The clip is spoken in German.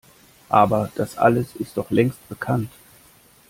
Aber das alles ist doch längst bekannt!